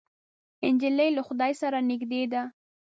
نجلۍ له خدای سره نږدې ده.